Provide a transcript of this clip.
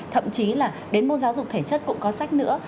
thậm chí là đến môn giáo dục thể chất cũng có sách nữa